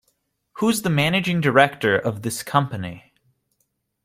Who's the managing director of this company?